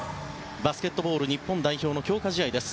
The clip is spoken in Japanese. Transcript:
バスケットボール日本代表の強化試合です。